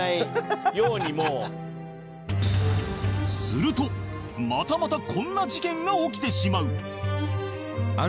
するとまたまたこんな事件が起きてしまう